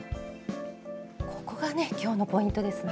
ここがね今日のポイントですね。